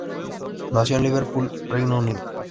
Nació en Liverpool, Reino Unido.